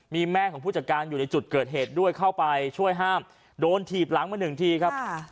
มีแม่ของผู้จัดการอยู่ในจุดเกิดเหตุด้วยเข้าไปช่วยห้ามโดนถีบหลังมาหนึ่งทีครับ